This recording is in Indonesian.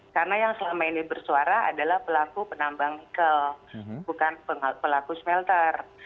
karena yang selama ini bersuara adalah pelaku penambang nikel bukan pelaku smelter